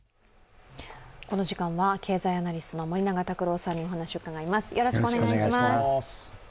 この時間は経済アナリストの森永卓郎さんにお話をうかがいます。